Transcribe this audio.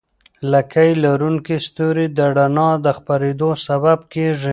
لکۍ لرونکي ستوري د رڼا د خپرېدو سبب کېږي.